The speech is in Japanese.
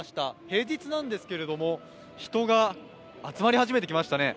平日なんですけれども人が集まり始めてきましたね。